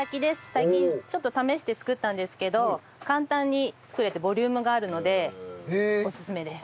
最近ちょっと試して作ったんですけど簡単に作れてボリュームがあるのでオススメです。